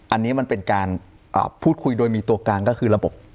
อันนี้มันเป็นการพูดคุยโดยมีตัวกลางก็คือระบบ